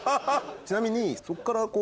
ちなみに。